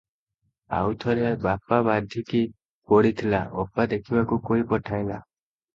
ଆଉ ଥରେ ବାପା ବାଧିକି ପଡ଼ିଥିଲା, ଅପା ଦେଖିବାକୁ କହି ପଠାଇଲା ।